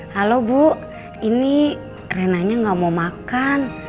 halo bu ini renanya nggak mau makan